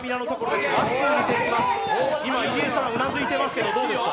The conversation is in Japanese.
今、入江さんうなずいていますがどうですか？